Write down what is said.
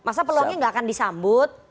masa peluangnya nggak akan disambut